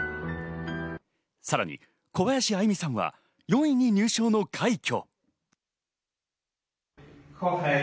さらに小林愛実さんは４位に入賞の快挙。